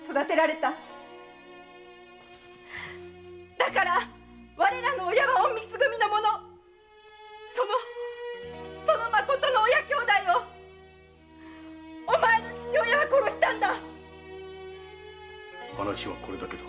だから我らの親は隠密組の者そのまことの親兄弟をお前の父親は殺したのだ話はこれだけだ。